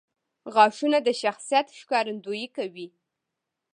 • غاښونه د شخصیت ښکارندویي کوي.